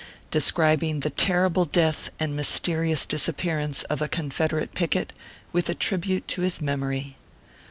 DESCRIBING THE TERRIBLE DEATH AND MYSTERIOUS DISAPPEARANCE OF A CONFEDERATE PICKET, WITH A TRIBUTE TO HIS MEMORY.